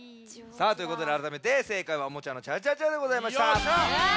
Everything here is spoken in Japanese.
さあということであらためてせいかいは「おもちゃのチャチャチャ」でございました。